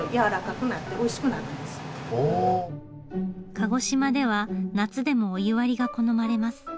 鹿児島では夏でもお湯割りが好まれます。